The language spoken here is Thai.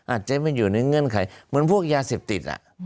อาจจะไม่อยู่ในเงื่อนไขเหมือนพวกยาเสพติด